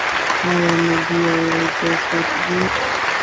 آیا موږ یو جسد یو؟